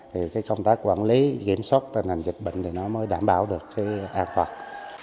thì cái công tác quản lý kiểm soát tình hình dịch bệnh thì nó mới đảm bảo được cái an toàn